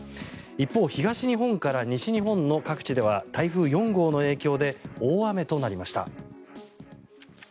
一方東日本から西日本の各地では台風４号の影響で大雨となりました。